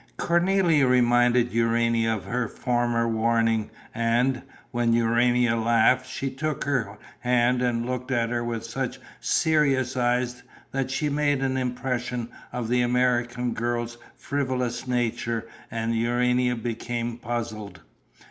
Cornélie reminded Urania of her former warning and, when Urania laughed, she took her hand and looked at her with such serious eyes that she made an impression of the American girl's frivolous nature and Urania became puzzled.